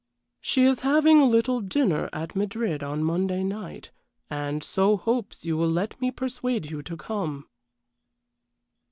"She is having a little dinner at Madrid on Monday night, and so hopes you will let me persuade you to come."